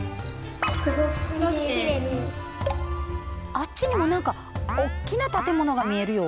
あっちにも何か大きな建物が見えるよ。